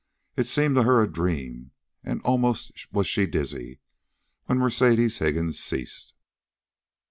It seemed to her a dream, and almost was she dizzy, when Mercedes Higgins ceased.